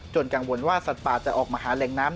กังวลว่าสัตว์ป่าจะออกมาหาแหล่งน้ำ